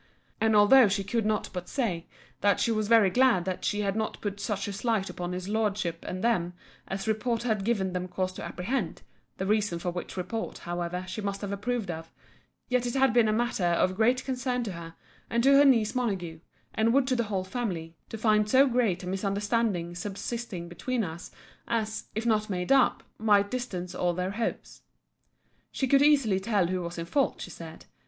And although she could not but say, that she was very glad that she had not put such a slight upon his Lordship and them, as report had given them cause to apprehend, (the reasons for which report, however, she must have approved of;) yet it had been matter of great concern to her, and to her niece Montague, and would to the whole family, to find so great a misunderstanding subsisting between us, as, if not made up, might distance all their hopes. She could easily tell who was in fault, she said.